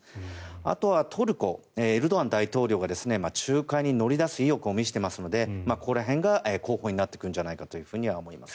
あとはトルコエルドアン大統領が仲介に乗り出す意欲を見せていますのでここら辺が候補になってくるんじゃないかと思います。